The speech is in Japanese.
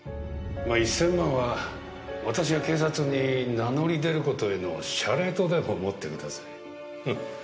ま１千万は私が警察に名乗り出る事への謝礼とでも思ってください。